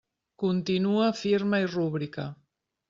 Continua firma i rúbrica.